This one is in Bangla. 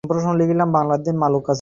মিস ব্রিগাঞ্জা নিজেকে নিয়ন্ত্রণ করুন।